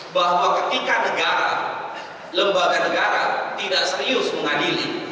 bahwa ketika negara lembaga negara tidak serius mengadili